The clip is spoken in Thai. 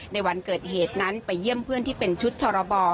ในวันเกิดเหตุนั้นไปเยี่ยมเพื่อนที่เป็นชุดชรบ